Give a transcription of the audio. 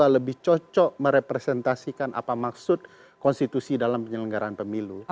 lebih cocok merepresentasikan apa maksud konstitusi dalam penyelenggaraan pemilu